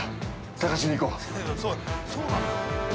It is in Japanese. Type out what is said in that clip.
探しに行こう。